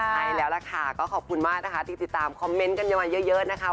ใช่แล้วล่ะค่ะก็ขอบคุณมากนะคะที่ติดตามคอมเมนต์กันมาเยอะนะคะ